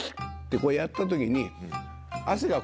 こうやった時に。